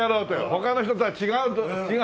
他の人とは違うと。